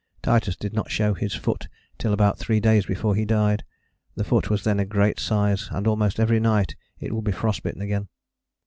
Titus did not show his foot till about three days before he died. The foot was then a great size, and almost every night it would be frost bitten again.